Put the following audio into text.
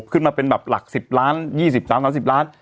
ขึ้นมาเป็นแบบ๑๐ล้าน๒๐ล้าน๓๐ล้าน